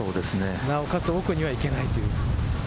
なおかつ、奥には行けないと。